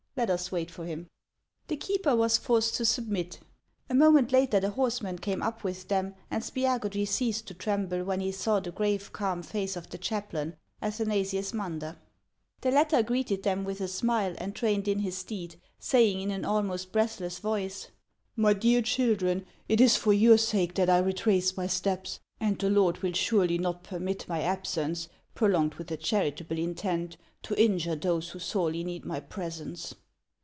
Let us wait for him." The keeper was forced to submit. A moment later the horseman came up with them, and Spiagudry ceased to tremble when he saw the grave, calm face of the chaplain, Athanasius Munder. The latter greeted them with a smile, and reined in his steed, saying in an almost breathless voice, " My dear chil dren, it is for your sake that I retrace my steps ; and the Lord will surely not permit my absence, prolonged with a charitable intent, to injure those who sorely need my presence.''